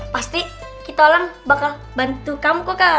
pasti kita orang bakal bantu kamu